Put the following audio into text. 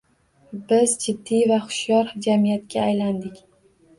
Biz jiddiy va hushyor jamiyatga aylandik